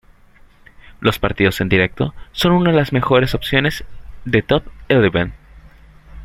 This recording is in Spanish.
Los partidos en directo son una de las mejores opciones de Top Eleven.